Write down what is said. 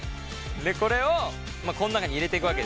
これをこの中に入れていくわけです